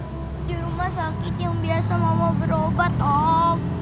di rumah sakit yang biasa mama berobat om